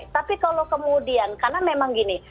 tapi kalau kemudian karena memang gini